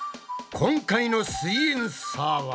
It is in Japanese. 今回の「すイエんサー」は？